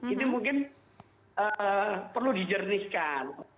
ini mungkin perlu dijernihkan